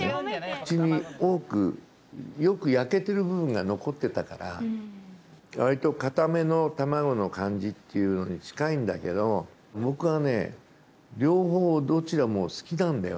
口に多くよく焼けてる部分が残ってたからわりと硬めの卵の感じっていうのに近いんだけど僕はね。